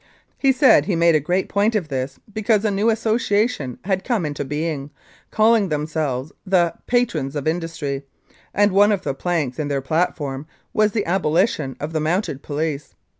He said he made a great point of this, because a new association had come into being, calling themselves the " Patrons of Industry,*' and one of the planks in their platform was the abolition of the Mounted Police.